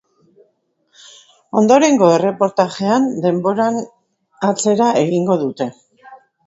Ondorengo erreportajean denboran atzera egingo dute.